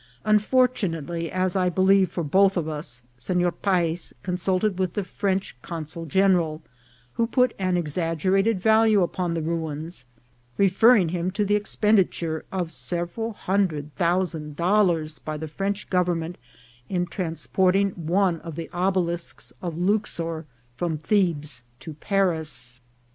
Unfortunately, as I believe for both of us, Senor Payes consulted with the French consul general, who put an exaggerated value upon the ruins, referring him to the expenditure of several hundred thousand dollars by the French government in transporting one of the obelisks of Luxor from Thebes to Paris.